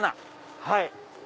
はい！